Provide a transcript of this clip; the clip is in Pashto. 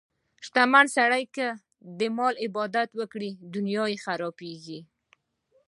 شتمن سړی که د مال عبادت وکړي، دنیا یې خرابېږي.